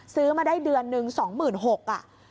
ซื้อมาได้เดือนหนึ่ง๒๖๐๐บาท